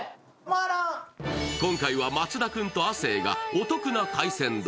今回は松田君と亜生がお得な海鮮丼。